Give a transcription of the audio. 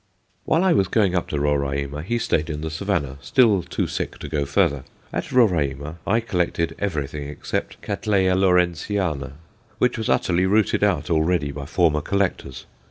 While I was going up to Roraima, he stayed in the Savannah, still too sick to go further. At Roraima I collected everything except Catt. Lawrenceana, which was utterly rooted out already by former collectors.